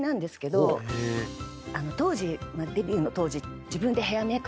当時デビューの当時。